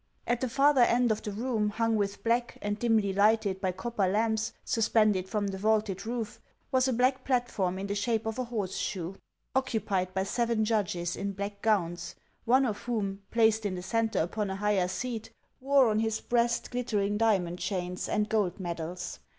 At the farther end of a room hung with black and dimly lighted by copper lamps suspended from the vaulted roof, was a black platform in the shape of a horseshoe, HAXS OF ICELAND. 431 occupied by seven judges in black gowns, one of whom, placed in the centre upon a higher seat, wore on his breast glittering diamond chains and gold medals.